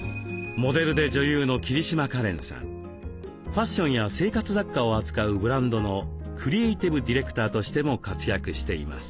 ファッションや生活雑貨を扱うブランドのクリエーティブディレクターとしても活躍しています。